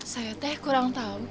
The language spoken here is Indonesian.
saya juga kurang tahu